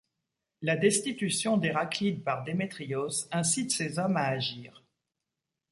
La destitution d'Héraclide par Démétrios incite ces hommes à agir.